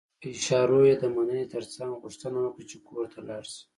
په اشارو يې د مننې ترڅنګ غوښتنه وکړه چې کور ته لاړ شي.